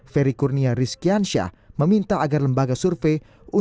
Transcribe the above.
ferry kurnia rizkiansyah meminta agar lembaga survei